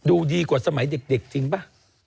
ดูดีกว่าสมัยเด็กจริงป่ะ